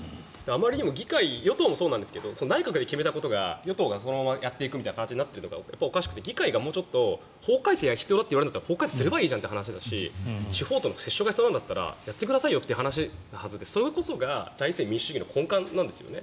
与党もそうなんですが内閣で決めたことを与党がそのままやっていくみたいな形になっているのがおかしくて議会がもうちょっと法改正が必要なら法改正すればいい話だし地方との折衝が必要ならやってくださいよという話なはずでそれこそが財政民主主義の根幹なんですよね。